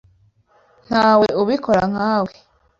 Ntawe ubikora nkawe.